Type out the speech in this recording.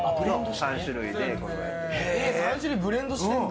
３種類ブレンドしてるんだ。